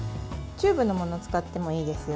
チューブのものを使ってもいいですよ。